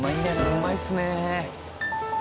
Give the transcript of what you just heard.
うまいっすね。